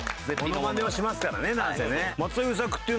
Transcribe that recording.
モノマネはしますからねなんせね。